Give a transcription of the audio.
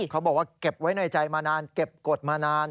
เขาบอกว่าเก็บไว้ในใจมานานเก็บกฎมานาน